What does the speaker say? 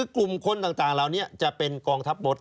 กลุ่มคนต่างเหล่านี้จะเป็นกองทัพมด